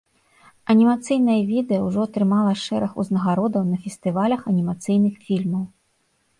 Анімацыйнае відэа ўжо атрымала шэраг узнагародаў на фестывалях анімацыйных фільмаў.